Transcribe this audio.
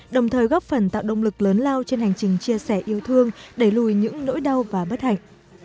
đồng thời góp phần tạo động lực lớn lao trên hành trình chia sẻ yêu thương đẩy lùi những nỗi đau và bất hạnh